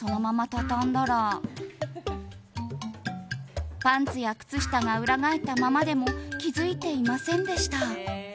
たたんだらパンツや靴下が裏返ったままでも気づいていませんでした。